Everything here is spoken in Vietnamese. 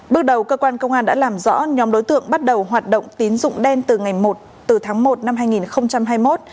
bước đầu cơ quan công an đã làm rõ nhóm đối tượng bắt đầu hoạt động tín dụng đen từ tháng một năm hai nghìn hai mươi một